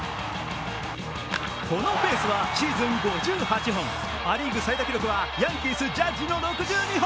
このペースはシーズン５８本、ア・リーグ最多記録はヤンキース・ジャッジの６２本。